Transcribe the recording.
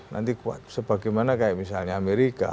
nanti kuat sebagaimana kayak misalnya amerika